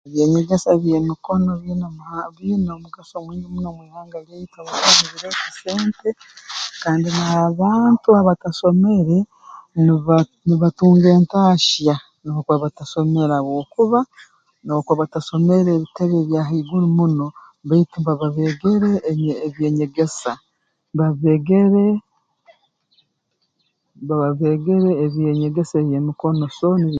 Eby'enyegesa by'emikono biine omuha biine omugaso mwingi muno mu ihanga lyaitu habwokuba nibireeta sente kandi n'abantu abatasomere niba nibatunga entahya n'obuba batasomere habwokuba n'obubakuba batasomere ebitebe bya haiguru muno baitu mbaba beegere eb ebyenyegesa mbaba beegere baba beegere eby'enyegesa eby'emikono so nib